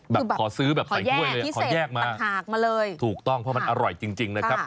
แบบขอซื้อแบบใส่ถ้วยเลยขอแยกมาเลยถูกต้องเพราะมันอร่อยจริงจริงนะครับ